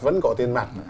vẫn có tiền mặt